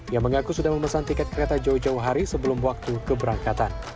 yang mengaku sudah memesan tiket kereta jauh jauh hari sebelum waktu keberangkatan